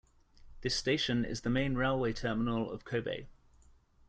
This station is the main railway terminal of Kobe.